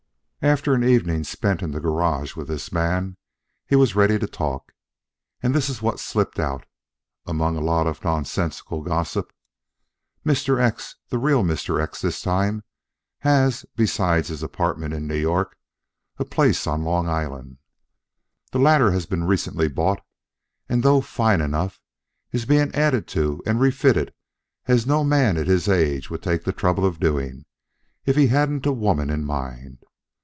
"After an evening spent in the garage with this man, he was ready to talk, and this is what slipped out, among a lot of nonsensical gossip. Mr. X, the real Mr. X this time, has, besides his apartment in New York, a place on Long Island. The latter has been recently bought and, though fine enough, is being added to and refitted as no man at his age would take the trouble of doing, if he hadn't a woman in mind.